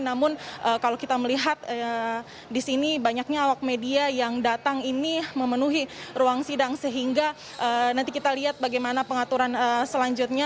namun kalau kita melihat di sini banyaknya awak media yang datang ini memenuhi ruang sidang sehingga nanti kita lihat bagaimana pengaturan selanjutnya